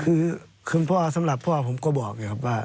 คือคุณพ่อสำหรับพ่อผมก็บอก